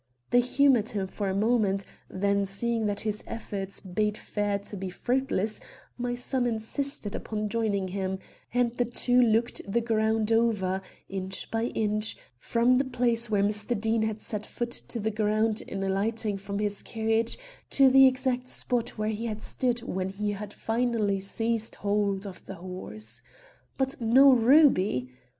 They humored him for a moment, then, seeing that his efforts bade fair to be fruitless, my son insisted upon joining him, and the two looked the ground over, inch by inch, from the place where Mr. Deane had set foot to ground in alighting from his carriage to the exact spot where he had stood when he had finally seized hold of the horse. But no ruby.